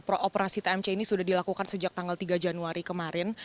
operasi tmc ini sudah dilakukan sejak tanggal tiga januari kemarin